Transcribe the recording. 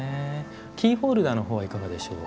キーホルダーのほうはいかがでしょう？